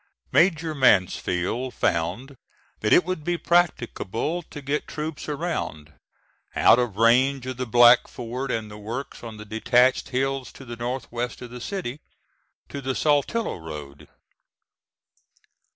Major Mansfield found that it would be practicable to get troops around, out of range of the Black Fort and the works on the detached hills to the north west of the city, to the Saltillo road.